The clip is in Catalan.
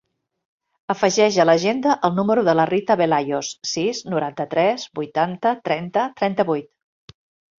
Afegeix a l'agenda el número de la Rita Velayos: sis, noranta-tres, vuitanta, trenta, trenta-vuit.